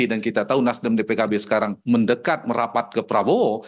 dan kita tahu nasdem dan pkb sekarang mendekat merapat ke prabowo